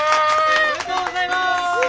おめでとうございます！